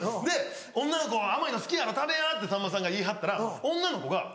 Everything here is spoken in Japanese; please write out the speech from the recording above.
で「女の子甘いの好きやろ食べや」ってさんまさんが言いはったら女の子が。